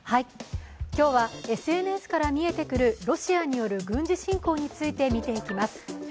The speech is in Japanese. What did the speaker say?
今日はＳＮＳから見えてくるロシアによる軍事侵攻について見ていきます。